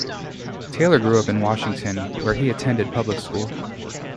Taylor grew up in Washington, where he attended public school.